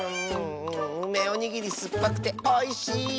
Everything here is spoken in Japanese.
うめおにぎりすっぱくておいしい！